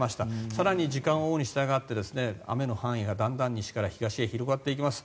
更に時間を追うにしたがって雨の範囲がだんだん西から東へ広がっていきます。